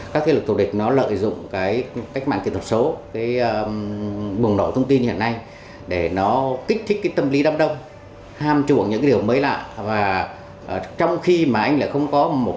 các thế lực tù địch nó lợi dụng cách mạng kết thúc số